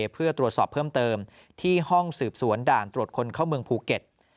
เพื่อตรวจสอบเพิ่มเติมที่ห้องสืบสวนด่านตรวจคนเข้าเมืองภูเก็ต